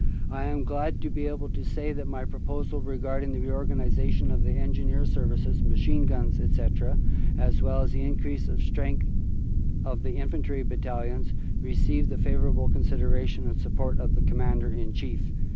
I am glad to be able to say that my proposals regarding the reorganization of Engineer Services, Machine Guns, etc., as well as the increase of strength of the Infantry Battalions, received the favorable consideration and support of the Commander in Chief."